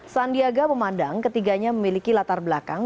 sandiaga memandang ketiganya memiliki latar belakang